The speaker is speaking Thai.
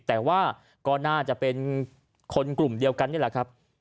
แต่ว่าก็น่าจะเป็นคนกลุ่มเดียวกันนี่แหละครับ